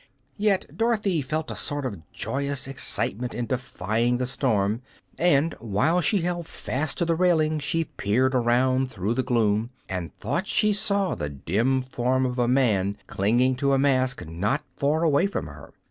Yet Dorothy felt a sort of joyous excitement in defying the storm, and while she held fast to the railing she peered around through the gloom and thought she saw the dim form of a man clinging to a mast not far away from her.